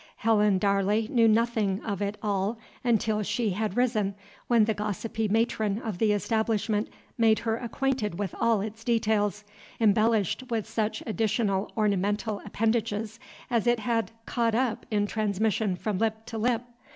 Helen Darley knew nothing of it all until she hard risen, when the gossipy matron of the establishment made her acquainted with all its details, embellished with such additional ornamental appendages as it had caught up in transmission from lip to lip.